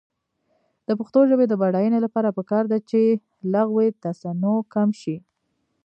د پښتو ژبې د بډاینې لپاره پکار ده چې لغوي تصنع کم شي.